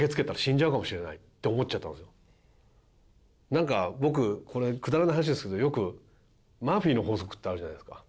なんか僕これくだらない話ですけどよくマーフィーの法則ってあるじゃないですか。